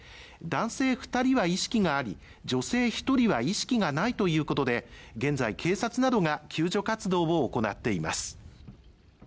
男性二人は意識があり女性一人は意識がないということで現在警察などが救助活動を行っています